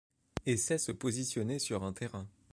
Et sait se positionner sur un terrain.